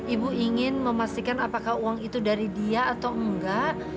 ibu ingin memastikan apakah uang itu dari dia atau enggak